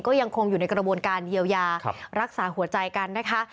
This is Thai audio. ก็ยังคงอยู่ในกระบวนการเยียวยารักษาหัวใจกันนะคะ